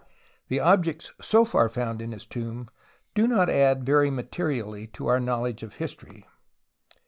The objects so far found in his tomb do not add very materially to our knowledge of history.